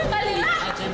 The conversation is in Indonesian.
ya allah zin